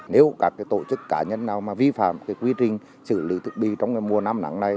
nếu các tổ chức cá nhân nào mà vi phạm quy trình xử lý thực bị trong mùa năm nắng này